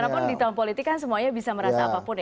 bagaimanapun di tahun politik kan semuanya bisa merasa apa apa